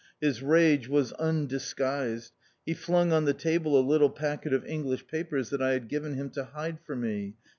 His rage was undisguised. He flung on the table a little packet of English papers that I had given him to hide for me.